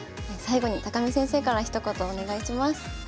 最後に見先生からひと言お願いします。